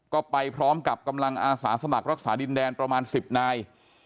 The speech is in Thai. ก็ไปพร้อมกับกำลังอาสาสมัครรักษาดินแดนประมาณ๑๐นาย